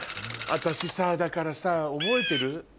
私さだからさ覚えてる？